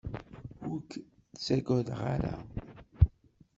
Ur k-ttagaden ara.